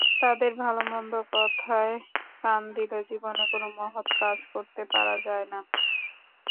তাদের ভালমন্দ কথায় কান দিলে জীবনে কোন মহৎ কাজ করতে পারা যায় না।